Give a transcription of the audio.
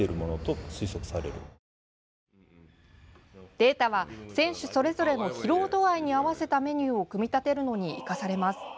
データは選手それぞれの疲労度合に合わせたメニューを組み立てるのに生かされます。